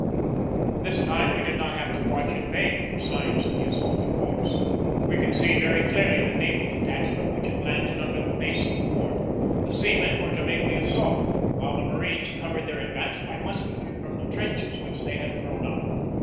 This time we did not have to watch in vain for signs of the assaulting force. We could see very clearly the naval detachment which had landed under the face of the fort. The seamen were to make the assault, while the marines covered their advance by musketry from the trenches which they had thrown up.